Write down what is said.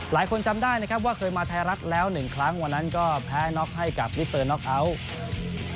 จำได้นะครับว่าเคยมาไทยรัฐแล้วหนึ่งครั้งวันนั้นก็แพ้น็อกให้กับมิสเตอร์น็อกเอาท์